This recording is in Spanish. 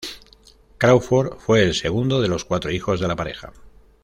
Crawford fue el segundo de los cuatro hijos de la pareja.